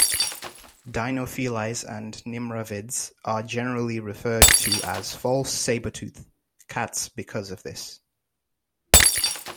"Dinofelis" and nimravids are generally referred to as "false saber-tooth" cats because of this.